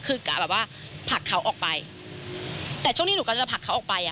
คือกะแบบว่าผลักเขาออกไปแต่ช่วงที่หนูกำลังจะผลักเขาออกไปอ่ะ